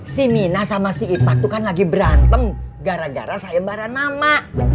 si mina sama si ipat tuh kan lagi berantem gara gara saya bara nama